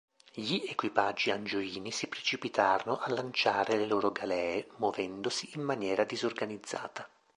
Gli equipaggi angioini si precipitarono a lanciare le loro galee, muovendosi in maniera disorganizzata.